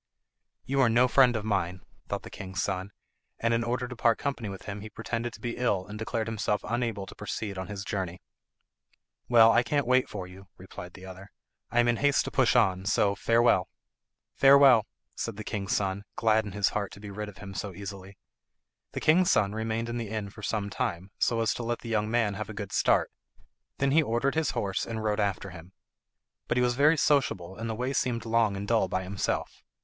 "You are no friend of mine," thought the king's son, and in order to part company with him he pretended to be ill and declared himself unable to proceed on his journey. "Well, I can't wait for you," replied the other; "I am in haste to push on, so farewell." "Farewell," said the king's son, glad in his heart to get rid of him so easily. The king's son remained in the inn for some time, so as to let the young man have a good start; them he ordered his horse and rode after him. But he was very sociable and the way seemed long and dull by himself.